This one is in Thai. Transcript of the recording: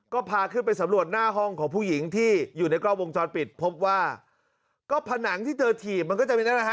ก็พาขึ้นไปสำรวจหน้าห้องของผู้หญิงที่อยู่ในกล้องวงจรปิดพบว่าก็ผนังที่เธอถีบมันก็จะมีนั่นนะฮะ